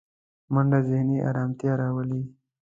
منډه ذهني ارامتیا راولي